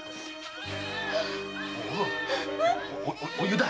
お湯だ！